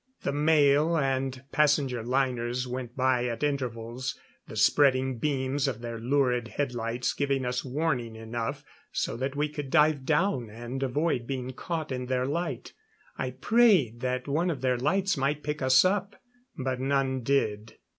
The mail and passenger liners went by at intervals the spreading beams of their lurid headlights giving us warning enough so that we could dive down and avoid being caught in their light. I prayed that one of their lights might pick us up, but none did.